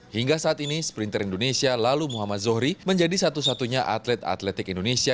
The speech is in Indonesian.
hingga saat ini sprinter indonesia lalu muhammad zohri menjadi satu satunya atlet atletik indonesia